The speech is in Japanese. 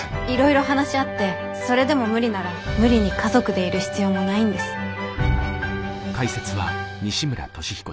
いろいろ話し合ってそれでも無理なら無理に家族でいる必要もないんです。